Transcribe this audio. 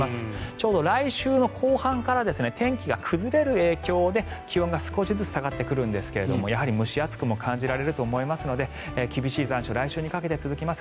ちょうど来週の後半から天気が崩れる影響で気温が少しずつ下がってくるんですけどやはり蒸し暑くも感じられると思いますので厳しい残暑来週にかけて続きます。